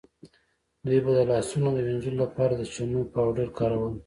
دوی به د لاسونو د وینځلو لپاره د چنو پاوډر کارول.